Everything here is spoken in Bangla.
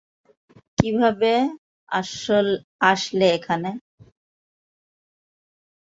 কীভাবে আসলে এখানে?